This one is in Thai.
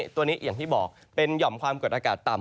ตัวนี้อย่างที่บอกเป็นหย่อมความกดอากาศต่ำ